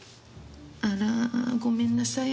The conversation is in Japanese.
あらごめんなさい